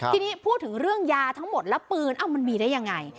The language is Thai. ทีนี้พูดถึงเรื่องยาทั้งหมดแล้วปืนมันมีได้ยังไง